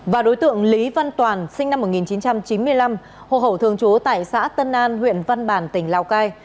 và đối tượng lý văn toàn sinh năm một nghìn chín trăm chín mươi năm hộ khẩu thường chố tại xã tân an huyện văn bản tỉnh lào cai